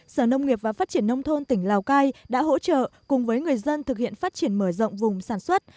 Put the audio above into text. sở nông nghiệp và phát triển nông thôn tỉnh lào cai đã hỗ trợ cùng với người dân thực hiện phát triển mở rộng vùng sản xuất